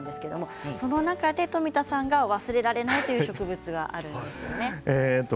その中で富田さんが忘れられない植物があるんですね。